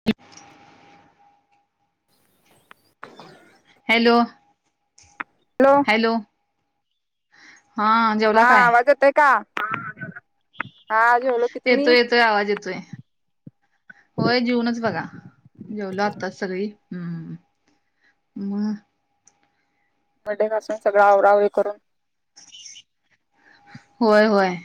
[unintelligible] Hello. Hello. Hello हा. जेवला हा काय आवाज येतोय का हा जेवलो की तुम्ही येतोय येतोय आवाज येतोय. होय जेऊनच बघा जेवलोच आता सगळी हम्म मग भांडी घासून सगळं आवरा आवरी करून होय होय.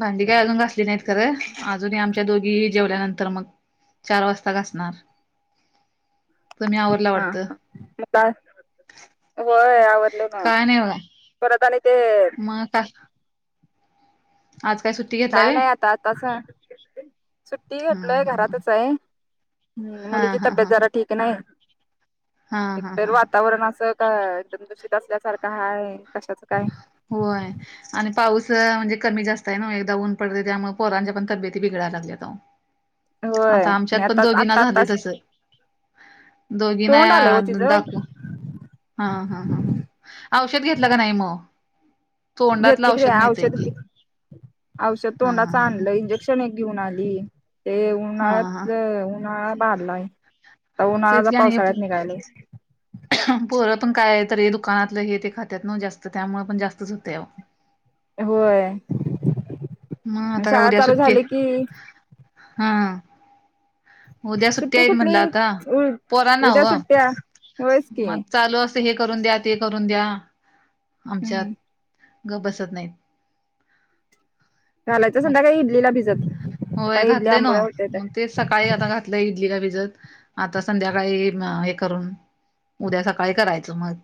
भांडी काय अजून घासली नाहीत खरं अजून आमच्या दोघी जेवल्यानंतर मग. चार वाजता घासणार. त मी आव हा हा म होय आवडल ना काय नाही परत आले ते. हा. आज काय सुट्टी? घेतलाय काय व्हय नाही आता आतासं सुट्टी हा घटलो आहे घरातच आहे ह हा मुलीची हा तब्येत हा जरा ठीक नाही. हा हा हा एकतर वातावरण असं का एकदम दूषित असल्यासारखं हय कशाच काय? होय. आणि पाऊस म्हणजे कमी जास्त आहे ना एकदा ऊन पडते त्यामुळे पोरांच्या पण तब्यती बिघडयला लागल्यात. होय आता आमच्यात आणि पण दोघीना आता झाले आताच तसं. दोघी ना तोंड आलंय हो तिचं दाकवू हा हा ह ह औषध घेतलं का नाही मग. तोंडातलं घेते की मिळतय औषध की औषध हा तोंडाचं हा ह आणलं इंजेक्शन. घेऊन आली ते. हा हा उन्हाळ्यात. तेच की आणि पोरं पण काय आहे तर हे दुकानातलं हे ते खातात न जास्त त्यामुळे पण जास्तच होते. होय. मग आता काय उद्या सुट्टी हा ह. उद्या सुट्ट्या सुट्टी कुठली आहेत. उ उद्या सुट्ट्या होयच की चालू असत हे करून द्या ते करून द्या आमच्यात हम्म गप्प बसत नाहीत. घालायच संधा मग काही इडलीला भिजत होय काय इडल्या घातलंय ना आंबोळ्या होतात. मग तेच सकाळी आता घातलं इडली का भिजत आता संध्याकाळी हे करून उद्या सकाळी करायचं मग.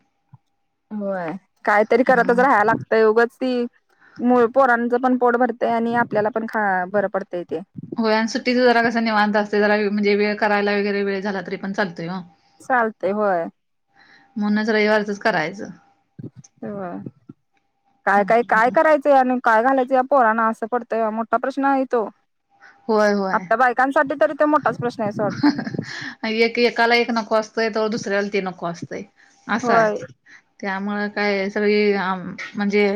होय कायतरी करतच ह राहाय लाग ोगच ती मु पोरांचं पण पोट भरतेय आणि आपल्याला पण ख भर पडतय ते. हो आणि सुट्टीच जरा कस निवांत असते जरा म्हणजे वेळ करायला वगैरे वेळ झाला तरी पण लतोय. चालतंय, होय. म्हणूनच रवि [inaudible] काय काय काय करायचंय आणि ह. आपल्या बायकांसाठी तरी तो मोठाच प्रश्न आहे सॉट. एक एकाला एक नको असतंय तर दुसऱ्याला तीन नको असतंय असं आहे. होय त्यामुळं काय सगळी म्हणजे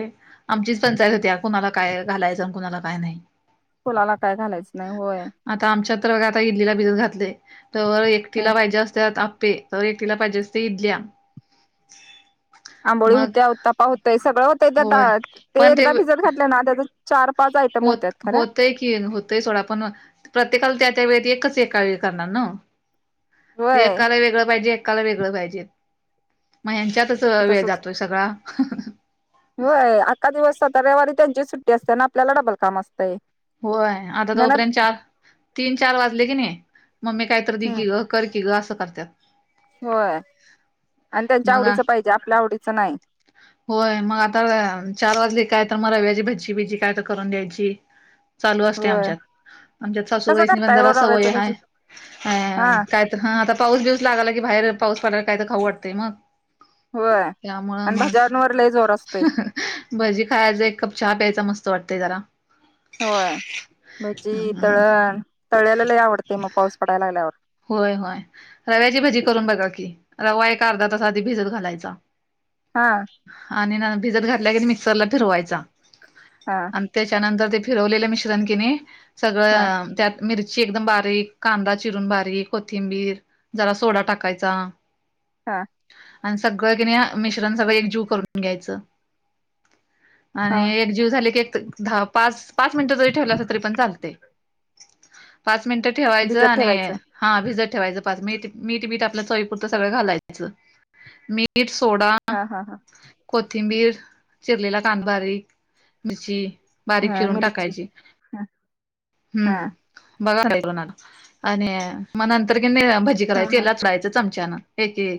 आमचीच पंचायत होती या कुणाला काय घालायचं आणि कुणाला काय नाही. फूलाला काय घालायच नाही होय. आता आमच्या तर आता इडलीला भिजत घातले तर एकटीला पाहिजे असत आप्पे एकटीला पाहिजे असते इडल्या. आंबोळी मग होत्या उत्तप्पा होतय सगळं होतंय होय त्या ते एकदा भिजत घातले ना त्याच चार. पाच आयटम होत होत. होत्यात खरा होतय की होतंय सोडा पण प्रत्येकाला त्या त्या वेळेत एकच एका वेळ करणार ना. ते होय एकाला वेगळं पाहिजे एकाला वेगळं पाहिजे मग ह्याचात. वेळ तसच जातोय सगळा. होय अखका दिवस सात रविवारी त्यांची सुट्टी असते ना आपल्याला डबल काम असतंय. होय आता ननद तोपर्यंत चार तीन चार वाजले की नाही मम्मी काहीतरी दि हम्म की ग. कर कि ग असं करतात. होय आणि त्यांच्या मग आवडीच पाहिजे आपल्या आवडीचं नाही. होय मग आता चार वाजली काय तर मग रव्याची भज्जी भिजी काय तर करून द्यायची. चालू असते होय आमच्यात आमच्यात कसं सासूबाईसनी पण करताय ओ जरा रव्याचं सवय भजी हाय अ हा काय हा आता पाऊस बीऊस लागला की बाहेर पाऊस पडयला काय तर खाऊ वाटते ना. होय त्यामुळं आणि मग भज्यांवर लय जोर असतोय [unintelligible] भजी खायाच एक कप चहा प्यायचा मस्त वाटतय जरा. होय भजी हम्म तळण तळ्यालेल लय आवडते मग पाऊस पडाय लागल्यावर. होय होय. रव्याची भजी करून बघा की रवा एक अर्धा तास आधी भिजत घालायचा. हा. आणि ना भिजत घातल्या कीनी मिक्सरला फिरवायचा हा. त्याच्यानंतर ते फिरवलेलं मिश्रण की नई हा सगळं त्यात मिरची एकदम बारीक कांदा चिरून बारी ती कोथिंबीर जरा सोडा टाकायचा हा. आणि सगळं कणी मिश्रण सगळं एकजीव करून घ्यायचं. हा आणि एक एकजीव झालं की एक ध पाच पाच मिनिट ठेवलासा तरी पण चालतय पाच मिनिट ठेवायच भिजत आणि ठेवायचं हा भिजत ठेवायचं पाच मी मीठ बीठ आपल्या चवीपुरतं सगळं घालायचं. मीठ सोडा हा हा हा कोथिंबीर चिरलेला कांदा बारीक मिरची बारीक हा चिरून मिरची टाकायची हा हा हम्म. बघा करून आता आणि म नंतर की नाही भजी हा करायची हा तेलात सोड्याची चमच्यान येते.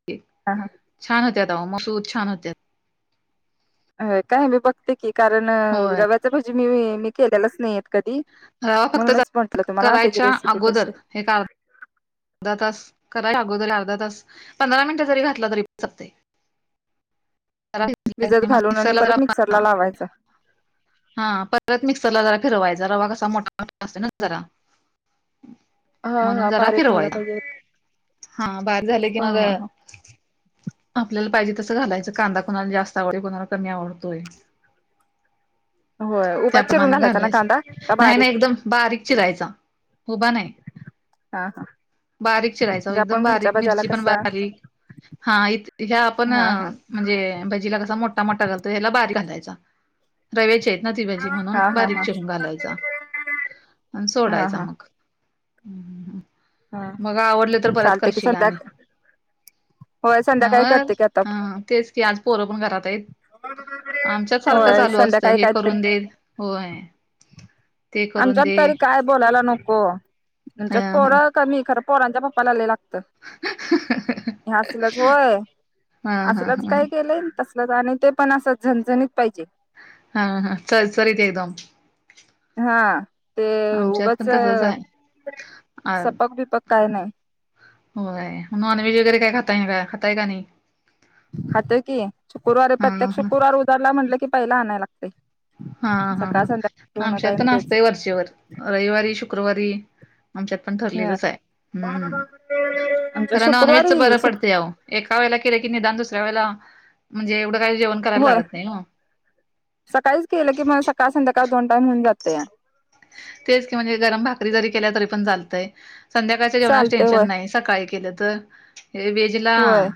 [unintelligible] हा हा. छान होत्या आता मसूर छान होत्यात. काय मी बघते की कारण होय रव्याचा भजी मी मी केलेलाच नाही येत. कधी रवा फक्त म्हणूनच म्हंटलं तुम्हाला त्याची करायच्या रेसिपी कशी अर्ध तास कराचा आधी अर्धा तास पंधरा मिनिटं जरी घातला तरी चालते. भिजत की मग घालून आणि मिक्सरला जरा परत मिक्सर ला लावायचा. हा परत मिक्सरला जरा फिरवायचा रवा कसा मोठा मोठा असतो ना जरा. [unintelligible] हा म्हणून हा जरा बारीक व्हायला फिरवायच पाहिजे हा भारी झाल कि हा मग हा हा आपल्याला पाहिजे तसं घालायचं कांदा कोणाला जास्त आवडे कोणाला कमी आवडतोय. होय उभा त्याता चिरून प्रमाण घालायचा ना घालायचं कांदा का नाही नाही बारीक एकदम बारीक चिरायचा हुबा नाय. हा का. बारीक चिरायच एकदम बारीक मिरची पण कसा बारीक हा इ ह्या आपण हा हा म्हणजे भजीला कसा मोठा मोठा घालतो ह्याला बारीक घालायचा. रव्याचे येत ना ती भाजी म्हणून हा हा बारीक हा चिरून घालायचा आणि हा सोडायचा हा मग. हम्म हम्म हम्म हा मग आवडलं तर परत चालते की करशीला संध्या आणि होय संध्याकाळी नवर करते की आता हा. तेच की आज पोरं पण घरात आहेत आमच्यात सारखं होय चालू असतं संध्याकाळी हे काहीतरी करून दे होय ते करून आमच्यात दे तरी काय बोलायला नको [unintelligible] आच्यात हा पोर हा कमी खरं पोरांच्या पप्पाला लय लागतं. हे असलच होय हा हा असलच हा ह काय केलंय आणि तस आणि ते पण असं झणझणीत पाहिजे. हा हा चरचरीत एकदम. हा ते आमच्यात उगाच पण तसच आहे सपक बिपक काय नाही. होय नॉन व्हेज वगैरे काय खाताय का खाताय का नाही. खात कि शुक्रवार हा प्रत्येक हा शुक्रवार उजाडला म्हटलं की पहिला आणाय लागतय. हा हा ह आमच्यात पण तेच असतंय वरचेवर रविवारी शुक्रवारी आमच्यात पण ह ठरलेलंच आहे हम् आमच्या खरा नॉन व्हेजच शुक्रवारी बरं सुट पडतय आओ. एका वळेला केले की निदान दुसऱ्या वेळेला म्हणजे एवढं काही जेवण करायला होय लागत नाही. सकाळीच केलं की मग सकाळ संध्याकाळ दोन टाईम होऊन जातया. तेच की म्हणजे गरम भाकरी जरी केल्या तरी पण चालतय संध्याकाळच्या जेवणास चालते टेन्शन होय नाही. सकाळी केलं तर हे वेजला‌. होय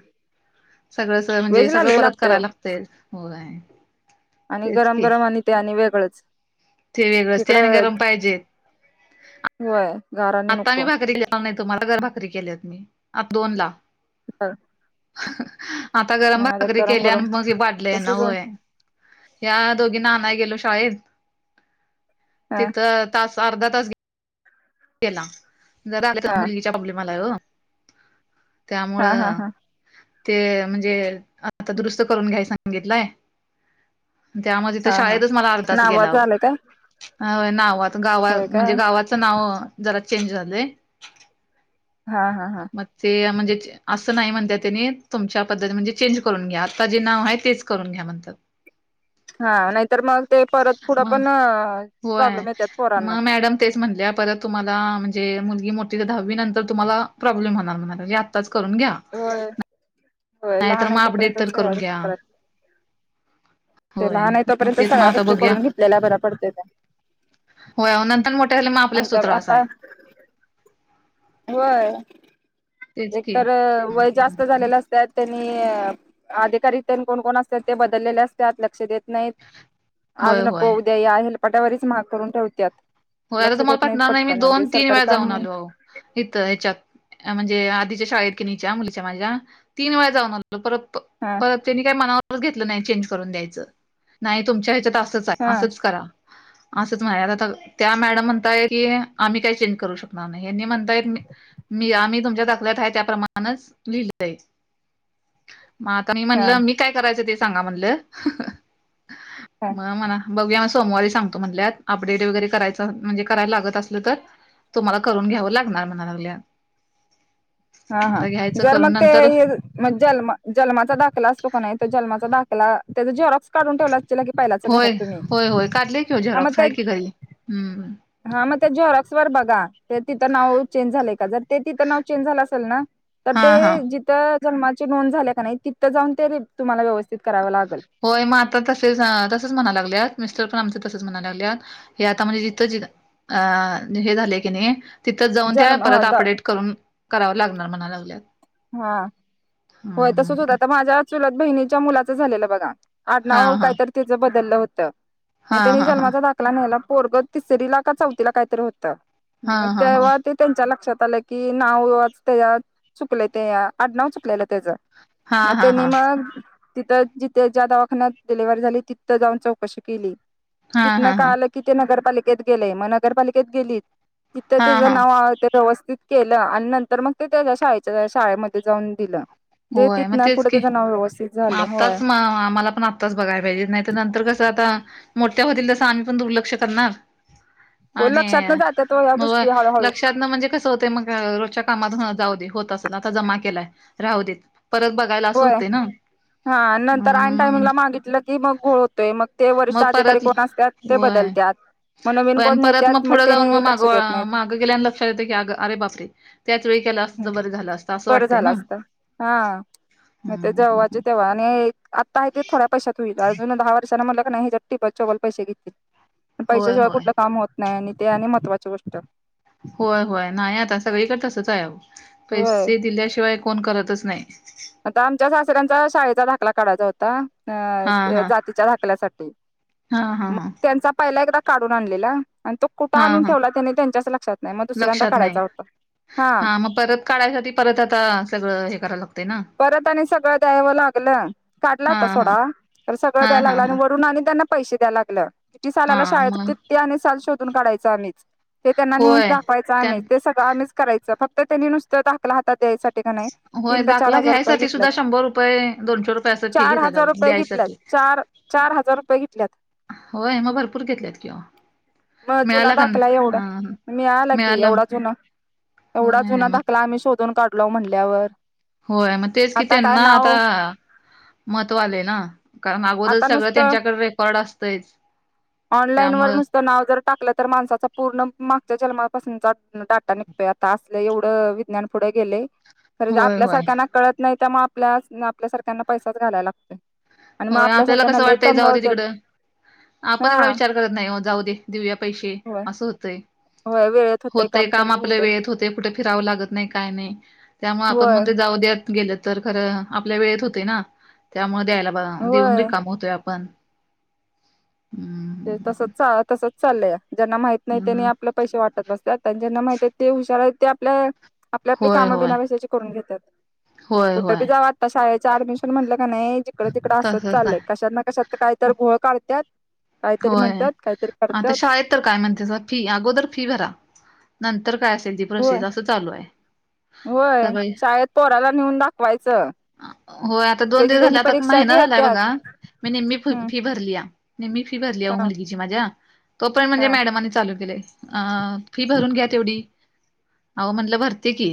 सगळं म्हणजे व्हेज ला सगळं लय परत ओ करायला लागतय होय. आणि तेच गरम की गरम आणि ते आणि वेगळंच ते वेगळंच ते आणि इकडं गरम पाहिजेत. होय घ आता मी भाकरी के [unintelligible] नाही तुम्हाला घर भाकरी केल्यात मी आता दोन ला. हा. आता गरम भाकरी गरम केली आणि गरम मग वाढलेय ना होय. या दोघी नाना गेलो शाळेत हा तिथं. तास अर्धा तास. केला ज हा मुलगीच्या प्रॉब्लेमला हो हा हा त्यामुळं. हा ते म्हणजे आता दुरुस्त करून घ्याय सांगितलंय. त्यामध्ये तर हा हा शाळेतच मला अर्धच गेला. नावाज आलंय काय ह नाव गाव होय काय म्हणजे गावाचं नाव जरा चेंज झालंय. हा हा हा. मग ते म्हणजे. असं नाही म्हणत त्यांनी तुमच्या पद्धतीत म्हणजे चेंज करून घ्या आता जे नाव आहे तेच करून घ्या म्हणत. तर. हा नाहीतर मग ते परत थडं मग पण होय. प्रॉब्लेम येतात पोरांना. मग मॅडम तेच म्हणल्या परत. तुम्हाला म्हणजे मुलगी मोठी तर दहावी नंतर तुम्हाला प्रॉब्लेम होणार म्हणाय लागली आत्ताच करून घ्या. होय होय नाहीतर लहान आहे मग अपडेट तर तोपर्यंतच सगळ्या करून घ्या. गोष्टी करायला लागतात. ते होय लहान आहे मग तोपर्यंत तेच मग सगळ्या आता गोष्टी बघूया करून घेतलेल्या बऱ्या पडतत्या. हो नंतर मोठे झाले मग आपल्यास तू आमच्या त्रास आता आहे. होय तेच की एकतर वय जास्त झालेलं असत त्यांनी. अधिकित्या कोण कोण असतात ते बदललेले असते आत लक्ष देत नाहीत. आज होय नको होय उद्या या हेलपाटावरारीच महाग करून ठेवतत‌ हो आर तुम्हाला पटणार नाही मी दो तीन वेळा जाऊन आलो. इथं हच्यात म्हणजे आधीच्या शाळेत. नीच्या मुलीच्या माझ्या तीन वेळा जाऊन आलो परत. हा. परत त्यांनी काही मनावरच घेतलं नाही चेंज करून द्यायचं नाही तुमच्या ह्याच्यात असंच आहे हा असंच करा. असंच आ त्या मॅडम म्हणताय की आम्ही काय चेंज करू शकणार नाही हे म्हण. ् आम्ही तुमच्या दाखल्यात आहे. माण लिहि म आता म हा म्हणलं मी. काय करायचं ते सांगा म्हणलं हा म म्हणा. बघ म आ समवारी सांगतो म्हधल्या अडेट वगर करायच. म्हणजे करायला लागत असलं तर तुम्हाला करून घ्यावं लागणार म्हणागल्या. हा हा जर म. करून नंतर मग ज् जन्माचा दाखला असतो का नाही तर जनमाचा दाखला त्याचा जेरॉक्स. काढून ठेवला तला की पहिलाच घरात होय तुम्ही होय होय काढले की ओ ह मग झेरॉक्स त्या. आहे की घरी हम्म. हा मग ते जॉरॉक्स वर बघा ते तिथं नाव चेंज झालंय का जर ते तिथं नाव चेंज झालं असेल ना. तर हा हा ते जिथं जन्माची नोंद झाल्या का नाही तिथं जाऊन ते तुम्हाला व्यवस्थित करावं लागल. होय मग आता तसेच तसच म्हणा लागल्यात मिस्टर पण आमच तसच म्हणाय लागल्यात. हे आता म्हणजे जिथं ज अं हे झाले की नी तिथं जाऊन त्या जन्म ह परत द अपडेट करून करावं लागणार म्हणा लागल्यात हा हम्म होय तसच होतं हम्म आता माझ्या चुलत बहिणीच्या मुलाचं झालेलं बघा. हा आडनावा हा कायतर तिचं बदल होतं म हा त्यानी हा हा जन्माचा दाखला नेला पोरग तिसरीला का चौथीला कायतरी होत हा म हा हा तेव्हा तेच्या लक्षात आलं की नाव वाच तय ह्यात. चुकले ते आडनाव चुकलेलं तेज हा मग हा त्यांनी हा मग तिथं जिथे ज्या दवाखान्यात डिलिव्ही झाली तिथं जाऊन चौकशी केली हा तिथनं हा हा काळ आलं तिथे नगरपालिकेत गेले मग नगरपालिकेत गेलीत तिथं हा तेज हा नाव [unintelligible] व्यवस्थित केल आणि नंतर मग तेजा शाळेच्या शाळेमध्ये जाऊन दिलं. ते होय मग तिथनं तेच पुढे की त्याचं नाव व्यवस्थित झालं होय आत्ताच म आम्हाला पण आ त बघायला पाहिजे नाइ तर नंतर कसं आता मोठ्या होतील तसं आम्ही पण दुर्लक्ष करणार. हो आणि लक्षात न जात्यात ओ ह्या म व गोष्टी हळूहळू लक्षात म्हणजे कस होतंय रोजच्या कामात जाऊदे होत असलं आता जमा केलाय राहुदेत परत बघ होय हा नंतर आइन मग टायमिंगला मागितलं की मग घोळ होतोय मग ते वरिष्ठ मग अधिकारी परत कोण असत्यात ते होय बदलत्यात म नवीन होय कोण येत्यात म त्येनी लक्ष देत नाइत. गं गेल्या लक्षात येत्यय की अग अरे बापरे त्याच वेळी केल असत तर बर झालं असत असं बरं वाटतय ना. म ते हम्म जेव्हाच हम्म तेव्हा आणि एक आता आहे ते थोड्या पैशात होईल अजून दहा वर्षांन म्हणलं का नाय हेजा टिबल चोबल पैसे घेतील. पण पैस्या होय शिवाय होय कुठलं काम होत नाय आणि ते आणि महत्वाची गोष्ट होय होय नाही आता सगळीकडे तसचं आहे आहो होय पैसे दिल्याशिवाय कोन करतच नाइ. आता आमच्या सासऱ्यांचा शाळेचा दाखला काढायचा होता हा अं हा जातीच्या दाखल्यासाठी हा हं मग हं. त्यांचा पहिला एकदा काढून आणलेला. आणि तो कुठं हा आणून हा ठेवलाय त्येनी तेच्याच लक्षात नाही म दुसऱ्यांदा लक्षात नाही काढायचा होता हा. परत काढायसाठी परत आता सगळं हे कराय लाग परत आणि सगळं द्यायवं लागलं काढला हा होता हा सोडा सगळं हा द्यायला हा हा लागलं वरून आणि त्यांना पैसे द्याय लागल्या किती हा सालाला शाळेच मग किती आणि साल शोधून काढायच आम्हीच ते त्यांना नेऊ होय दाखवाय त्यां आम्हीच ते सगळं आम्हीच करायचं फक्त त्येनी नुस दाखला हातत द्यासाठी का नाही [unintelligible] होय चार दाखला हजार रुपये घ्यायसाठी सुद्धा घेतल्यात शंभर रुपये दोनशे रुपये असं फी चार घेत्यात हजार अहो रुपये घेतल्यात द्यायसाठी चार चारहजार रुपये घेतल्यात. होय म भरपूर घेतल्यात कि वो म जुना दाखला एवढा मिळाला की एवढा जुना एवढा होय जुना मग दाख ला आम्ही शोधून काढलो म्हटल्यावर‌. होय म तेच कि त्येना आता महत्व आलंय ना कारण अगोदर आता सगळं नुसतं त्येच्याकड रेकॉर्ड असतंच ऑनलाईन वर नुसतं नाव जर टाकलं तर माणसाचा पूर्ण मागच्या जन्मापासूनचा डाटा निघतोया. तासलं एवढं विज्ञान पुढ गेलय. खर जे होय आपल्या होय सारख्यांना कळत नाइ त्यामुळ आपल्या आपल्या सारख्यांना पैसाच घालायला लागतोय. आणि हो मग आपल्याला आपल्यासारख्यांना कसं लय वाटतंय तंग जाऊदे होत्यात तिकडं आपण हा एवढा विचार करत नाइ हो जाऊ दे देऊया पैसे होय असं होतय. होय वेळ होतय काम आपलं वेळेत होतेय कुठे फिरावं लागत नाही काय नाही त्यामुळे आपण होय म्हणतोय जाउद्यात. गेलं तर खरं आपल्या वेळेत होतय ना त्यामुळे द्यायला बघ देऊन होय रिकाम हुतोय आपण हम्म. ते तसचा तसच. चालया ज्यांना माहित नाही त्यांनी हम्म. आपले पैसे वाटत बसत्यात आणि ज्यांना माहित ते हुशार आहेत ते आपल्या. आपली आपली होय कामं होय बिनावेशाची करून घेतात होय कुठं बी होय जाव. ता शाळेचं ऍडमिशन म्हटलं का नाही जिकडं, तिकडं असत तसच चालय आहे कशात ना, कशात कायत घोळ काढत्यात. काहीतरी होय म्हणतात काहीतरी आता करतात शाळेत. तर काय म्हणते ज फी अगोदर फी भरा नंतर काय असेल दीप होय व्हय सगळे शाळेत पोराला नेऊन दाखवायचं. अ होय आता दोन त्याची दिवस त्यांनी झाले आता क परीक्षा महिना झालाय घेत्यात बघा मी नीम्मी फी हम्म - फी भरली या. नीम्मी मी फी भरली हो हा मुलगीची माझ्या तो पर्यण म्हणजे हा मॅडमने चालू केलाय अ. फी भरून घ्या तेवढी अहो म्हणलं भरते की.